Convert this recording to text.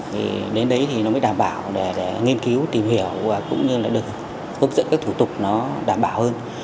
thì đến đấy thì nó mới đảm bảo để nghiên cứu tìm hiểu và cũng như là được hướng dẫn các thủ tục nó đảm bảo hơn